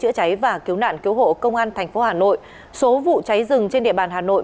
chữa cháy và cứu nạn cứu hộ công an tp hà nội số vụ cháy rừng trên địa bàn hà nội